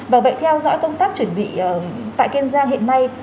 bởi vậy theo dõi công tác chuẩn bị tại kiên giang hiện nay